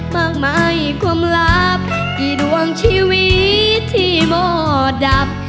มากมายความลับกี่ดวงชีวิตที่หมอดับ